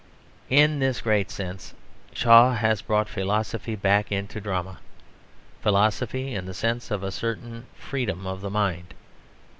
In this great sense Shaw has brought philosophy back into drama philosophy in the sense of a certain freedom of the mind.